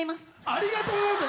ありがとうございます！